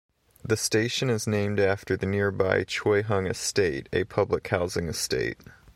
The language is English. The station is named after the nearby Choi Hung Estate, a public housing estate.